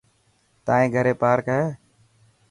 تائن گهري پارڪ هي.